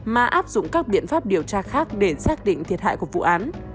mà áp dụng các biện pháp điều tra khác để xác định thiệt hại của vụ án